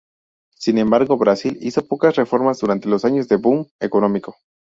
Sin embargo, Brasil hizo pocas reformas durante los años de "boom" económico.